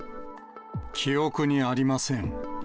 記憶にありません。